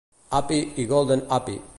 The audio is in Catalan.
"Hapi" i "Golden Hapi".